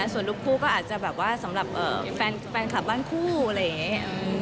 ส่วนลูกคู่ก็อาจจะแบบว่าสำหรับแฟนคลับบ้านคู่อะไรอย่างนี้